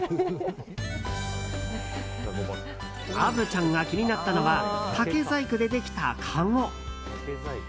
虻ちゃんが気になったのは竹細工でできた、かご。